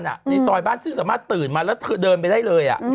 ในซอยบ้านซึ่งสามารถตื่นมาแล้วเธอเดินไปได้เลย